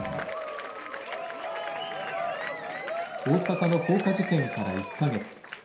大阪の放火事件から１か月。